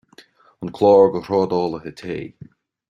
An Clár de Thrádálaithe Tae.